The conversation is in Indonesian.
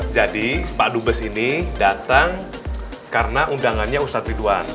jadi pak dumbes ini datang karena undangannya ustadz ridwan